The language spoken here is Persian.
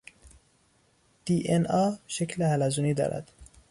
دی ان ا شکل حلزونی دارد.